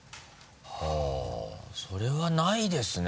あぁそれはないですね。